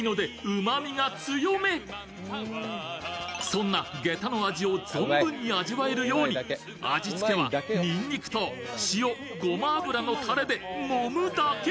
そんなゲタの味を存分に味わえるように味付けはにんにくと塩、ごま油のタレでもむだけ。